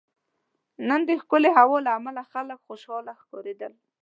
نن دښکلی هوا له عمله خلک خوشحاله ښکاریدل